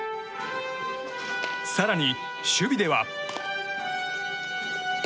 更に守備では。